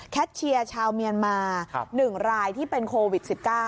เชียร์ชาวเมียนมา๑รายที่เป็นโควิด๑๙